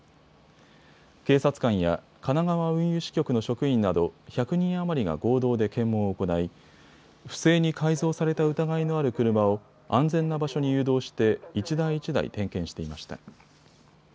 警察官や神奈川運輸支局の職員など１００人余りが合同で検問を行い不正に改造された疑いのある車を安全な場所に誘導して一台一台点検していました。